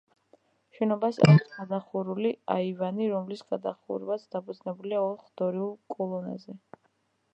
შენობას აქვს გადახურული აივანი, რომლის გადახურვაც დაფუძნებულია ოთხ დორიულ კოლონაზე.